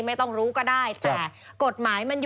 ไม่ต้องรู้ก็ได้แต่